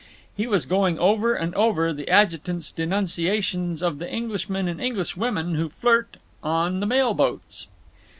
He was going over and over the Adjutant's denunciations of the Englishmen and Englishwomen who flirt on the mail boats.